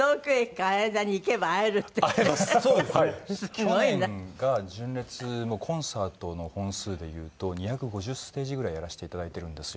去年が純烈コンサートの本数でいうと２５０ステージぐらいやらせていただいてるんですよ。